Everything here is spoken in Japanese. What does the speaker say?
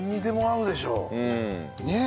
うん。ねえ。